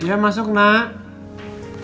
iya masuk nak